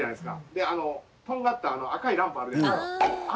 でとんがった赤いランプあるじゃないですか。